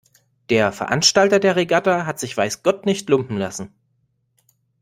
Der Veranstalter der Regatta hat sich weiß Gott nicht lumpen lassen.